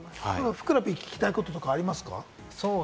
ふくらＰ、聞きたいことありますか？